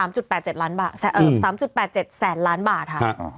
ใช่ตอนนี้ทรัพย์สิน๓๘๗แสนล้านบาทค่ะ